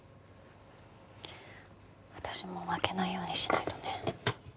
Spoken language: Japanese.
私も負けないようにしないとね。